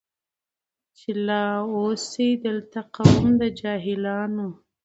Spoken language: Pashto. چي لا اوسي دلته قوم د جاهلانو